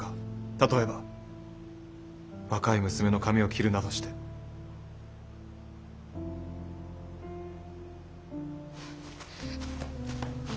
例えば若い娘の髪を切るなどして。は。